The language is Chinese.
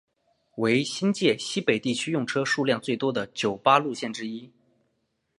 为新界西北地区用车数量最多的九巴路线之一。